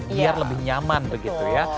biar lebih nyaman begitu ya